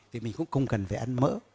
thì mình cũng không cần phải ăn mỡ